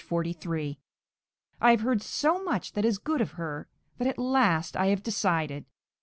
43); I have heard so much that is good of her, that at last I have decided.